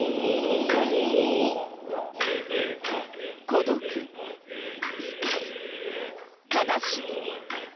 孤独怒り悲しみ。